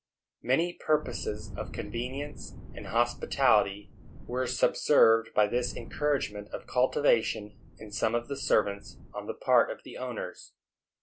Many purposes of convenience and hospitality were subserved by this encouragement of cultivation in some of the servants, on the part of the owners.